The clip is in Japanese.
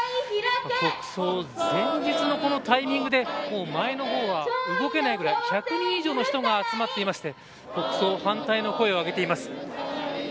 国葬前日のこのタイミングで前の方は動けないぐらい１００人以上の人が集まっていまして国葬反対の声を挙げています。